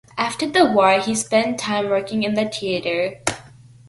After the war, he spent time working in the theatre.